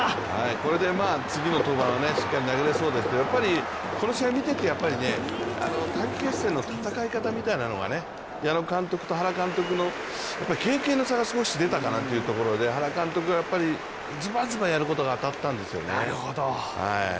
これで次の登板しっかり投げれそうですけどこの試合、見ていて短期決戦の戦い方みたいなのが矢野監督と原監督の経験の差が少し出たかなというところで、原監督がやっぱりズバズバやることが当たったんですよね。